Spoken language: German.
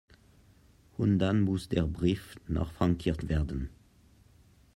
Und dann muss der Brief noch frankiert werden.